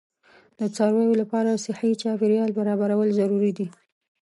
د څارویو لپاره صحي چاپیریال برابرول ضروري دي.